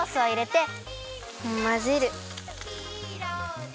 まぜる。